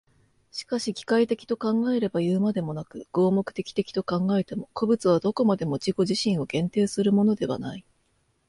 しかし機械的と考えればいうまでもなく、合目的的と考えても、個物はどこまでも自己自身を限定するものではない。